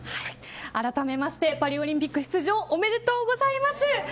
あらためてパリオリンピック出場おめでとうございます。